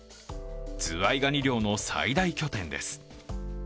ズワイガニ漁の最大拠点です。